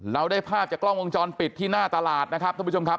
เราได้ภาพจากกล้องวงจรปิดที่หน้าตลาดนะครับท่านผู้ชมครับ